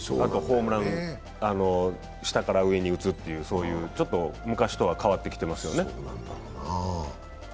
ホームランを下から上に打つというちょっと昔とは変わってきていますよね。